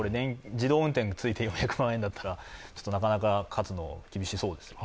自動運転がついて４００万円だったらなかなか勝つのは難しそうですね。